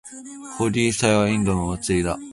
ホーリー祭はインドのお祭りだ。